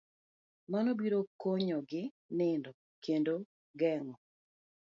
Mano biro konyogi nindo kendo geng'o